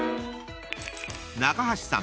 ［中橋さん